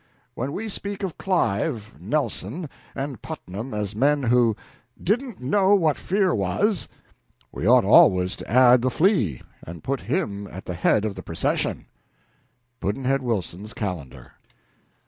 When we speak of Clive, Nelson, and Putnam as men who "didn't know what fear was," we ought always to add the flea and put him at the head of the procession. Pudd'nhead Wilson's Calendar.